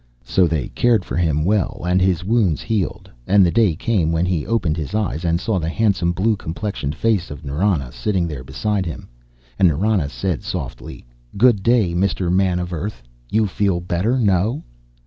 So they cared for him well, and his wounds healed, and the day came when he opened his eyes and saw the handsome blue complexioned face of Nrana sitting there beside him, and Nrana said softly, "Good day, Mr. Man of Earth. You feel better, no?"